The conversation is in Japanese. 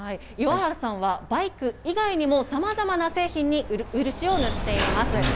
岩原さんはバイク以外にもさまざまな製品に漆を塗っています。